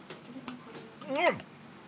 うん！